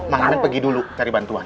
bang iman pergi dulu cari bantuan